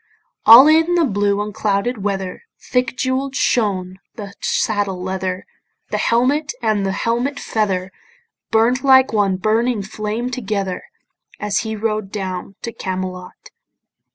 All in the blue unclouded weather Thick jewell'd shone the saddle leather, The helmet and the helmet feather Burn'd like one burning flame together, As he rode down to Camelot.